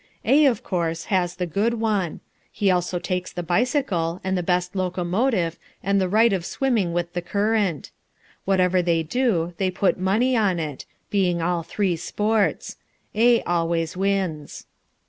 A, of course, has the good one; he also takes the bicycle, and the best locomotive, and the right of swimming with the current. Whatever they do they put money on it, being all three sports. A always wins.